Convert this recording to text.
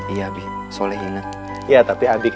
iya abi soleh ingat